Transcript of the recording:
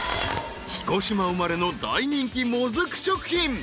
［彦島生まれの大人気もずく食品